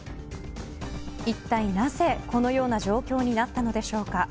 いったいなぜ、このような状況になったのでしょうか。